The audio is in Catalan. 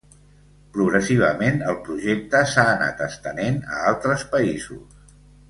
Progressivament, el projecte s'ha anat estenent a altres països.